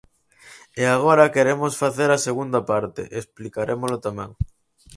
E agora queremos facer a segunda parte, e explicarémolo tamén.